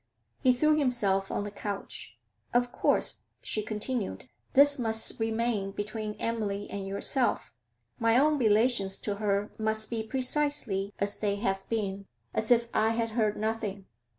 He threw himself on the couch. 'Of course,' she continued, 'this must remain between Emily and yourself my own relations to her must be precisely as they have been, as if I had heard nothing.